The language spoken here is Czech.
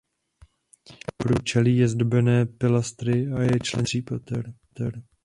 Průčelí je zdobené pilastry a je členěno do tří pater.